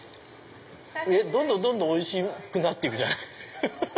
どんどんどんどんおいしくなっていくじゃない。